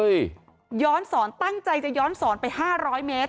ย้อนสอนตั้งใจจะย้อนสอนไป๕๐๐เมตร